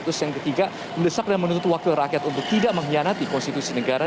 terus yang ketiga mendesak dan menuntut wakil rakyat untuk tidak mengkhianati konstitusi negara